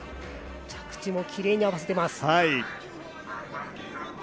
着地もキレイに合わせています。